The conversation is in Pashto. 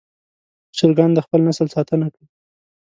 چرګان د خپل نسل ساتنه کوي.